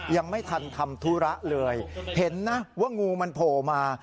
ยังไม่ทันทำธุระเลยเห็นนะว่างูมันโผล่มา